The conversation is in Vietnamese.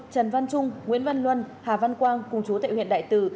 trần văn trung nguyễn văn luân hà văn quang cùng chú tại huyện đại từ